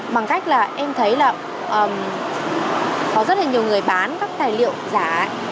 bằng cách là em thấy là có rất là nhiều người bán các tài liệu giả